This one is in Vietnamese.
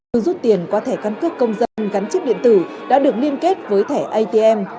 tôi rút tiền qua thẻ căn cước công dân gắn chip điện tử đã được liên kết với thẻ atm